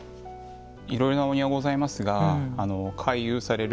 いろいろなお庭がございますが回遊される